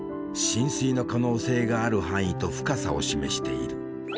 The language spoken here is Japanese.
浸水の可能性がある範囲と深さを示している。